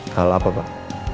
hal apa pak